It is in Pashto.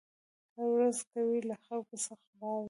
هره ورځ کوي له خلکو څخه غلاوي